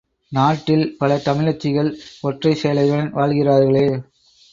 நாட்டில் பல தமிழச்சிகள் ஒற்றை சேலையுடன் வாழ்கிறார்களே!